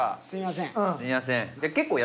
すいません。